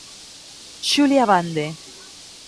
Xulia Bande.